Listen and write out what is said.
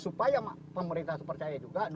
supaya pemerintah percaya juga